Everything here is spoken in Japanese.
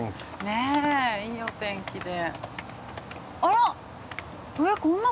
ねえいいお天気で。